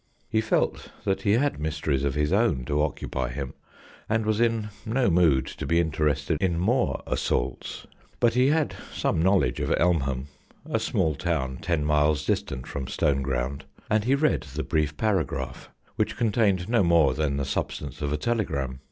He felt that he had mysteries of his own to occupy him and was in no mood to be interested in more assaults. But he had some knowledge of Elmham, a small town ten miles distant from Stoneground, and he read the brief paragraph, which contained no more than the substance of a telegram.